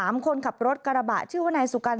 มีเกือบไปชนิดนึงนะครับ